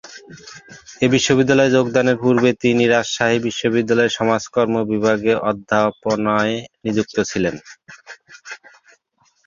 এ বিশ্ববিদ্যালয়ে যোগদানের পূর্বে তিনি রাজশাহী বিশ্ববিদ্যালয়ের সমাজকর্ম বিভাগে অধ্যাপনায় নিযুক্ত ছিলেন।